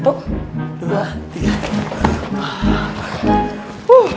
satu dua tiga